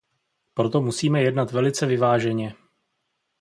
Proto musíme jednat velice vyváženě.